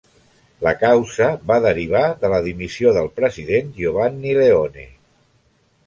La causa va derivar de la dimissió del president Giovanni Leone.